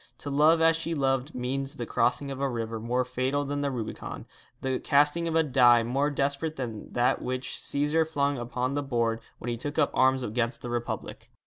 To love as she loved means the crossing of a river more fatal than the Rubicon, the casting of a die more desperate than that which Cæsar flung upon the board when he took up arms against the Republic.